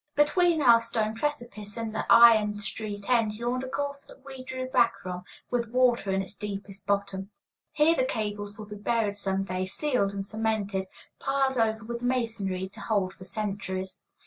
Between our stone precipice and the iron street end yawned a gulf that we drew back from, with water in its deepest bottom. Here the cables would be buried some day, sealed and cemented, piled over with masonry, to hold for centuries.